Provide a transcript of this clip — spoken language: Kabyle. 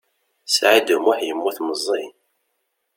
Saɛid U Muḥ yemmut meẓẓi.